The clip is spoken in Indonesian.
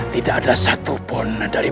tidak ada satu pun dari